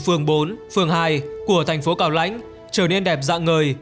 phường bốn phường hai của thành phố cào lãnh trở nên đẹp dạng người